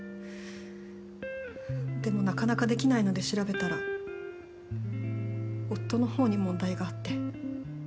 でもなかなかできないので調べたら夫の方に問題があって。